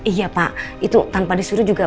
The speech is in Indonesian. iya pak itu tanpa disuruh juga